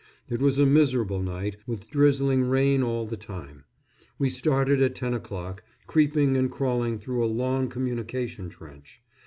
It was a miserable night, with drizzling rain all the time. We started at ten o'clock, creeping and crawling through a long communication trench.